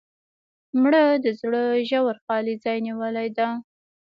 مړه د زړه ژور خالي ځای نیولې ده